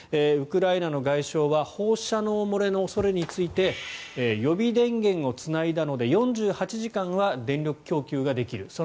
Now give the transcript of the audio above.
ウクライナの外相は放射能漏れの恐れについて予備電源をつないだので４８時間は電力供給ができる。